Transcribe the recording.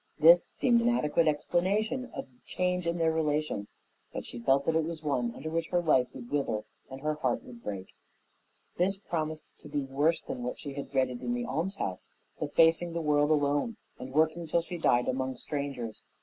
This seemed an adequate explanation of the change in their relations, but she felt that it was one under which her life would wither and her heart break. This promised to be worse than what she had dreaded at the almshouse the facing the world alone and working till she died among strangers.